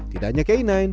tidak hanya canine